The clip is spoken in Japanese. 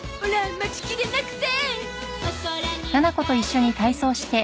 待ちきれなくて！